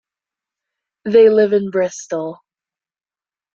They live in Bristol.